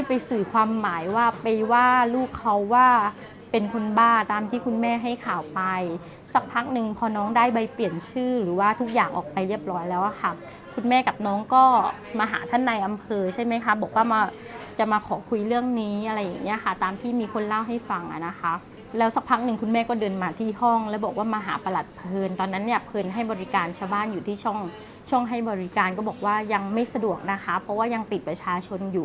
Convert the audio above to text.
ไปสื่อความหมายว่าไปว่าลูกเขาว่าเป็นคนบ้าตามที่คุณแม่ให้ข่าวไปสักพักหนึ่งพอน้องได้ใบเปลี่ยนชื่อหรือว่าทุกอย่างออกไปเรียบร้อยแล้วค่ะคุณแม่กับน้องก็มาหาท่านในอำเภอใช่ไหมคะบอกว่ามาจะมาขอคุยเรื่องนี้อะไรอย่างนี้ค่ะตามที่มีคนเล่าให้ฟังอะนะคะแล้วสักพักหนึ่งคุณแม่ก็เดินมาที่ห้องแล้วบอกว่ามาหา